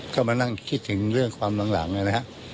ก็มานั่งคิดถึงเรื่องความหลังนะครับ